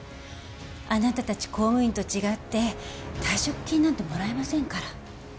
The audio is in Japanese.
あなたたち公務員と違って退職金なんてもらえませんから。